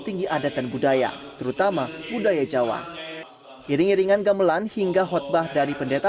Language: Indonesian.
tinggi adat dan budaya terutama budaya jawa iring iringan gamelan hingga khutbah dari pendeta